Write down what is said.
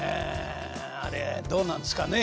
あれどうなんすかね。